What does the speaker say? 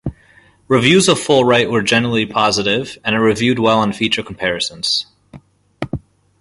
Reviews of FullWrite were generally positive, and it reviewed well on feature comparisons.